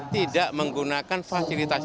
tidak menggunakan fasilitasnya